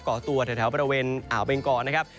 ่อตัวแถวบริเวณอ่าวเบงกอนะครับ